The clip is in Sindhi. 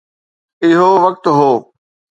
اهو وقت هو.